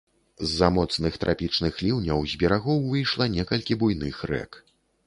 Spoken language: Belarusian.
З-за моцных трапічных ліўняў з берагоў выйшла некалькі буйных рэк.